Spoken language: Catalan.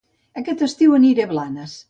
Aquest estiu aniré a Blanes